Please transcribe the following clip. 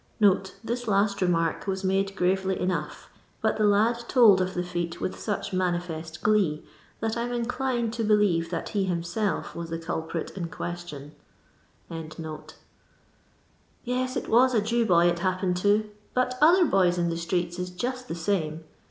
TThis hist remark was made gravely enough, but the lad told of the feat with such manifest glee, that I'm inclined to believe that he himself was the culprit in question.] ".Yes, it was a Jew boy it happened to, but other boys in the streets is just the same.